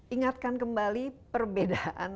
ingatkan kembali perbedaan